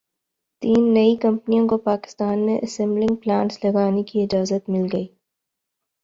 تین نئی کمپنیوں کو پاکستان میں اسمبلنگ پلانٹس لگانے کی اجازت مل گئی